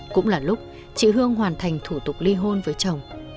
cũng là lúc chị hương hoàn thành thủ tục ly hôn với chồng